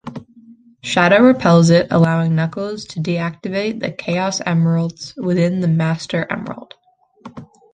Shadow repels it, allowing Knuckles to deactivate the Chaos Emeralds with the Master Emerald.